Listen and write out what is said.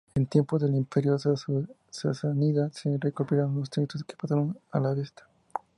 En tiempos del Imperio sasánida se recopilaron los textos que pasaron al "Avesta".